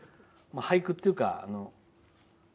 俳句っていうか。